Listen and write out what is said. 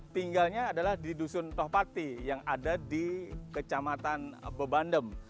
tinggalnya adalah di dusun tohpati yang ada di kecamatan bebandem